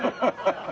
ハハハ。